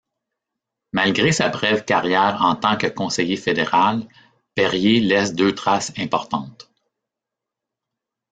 Malgré sa brève carrière en tant que conseiller fédéral, Perrier laisse deux traces importantes.